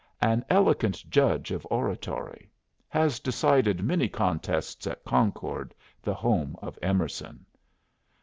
"An elegant judge of oratory. Has decided many contests at Concord, the home of Emerson."